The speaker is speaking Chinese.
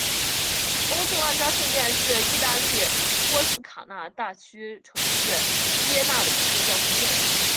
欧瑟万扎圣殿是义大利托斯卡纳大区城市锡耶纳的一座教堂建筑。